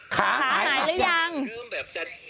ขาไหนหรือยัง